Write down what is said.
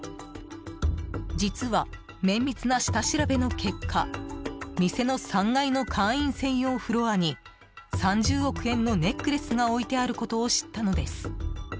実は綿密な下調べの結果店の３階の会員専用フロアに３０億円のネックレスが置いてあることを知ったのです。